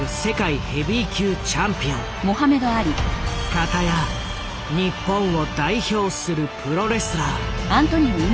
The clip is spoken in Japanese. かたや日本を代表するプロレスラー。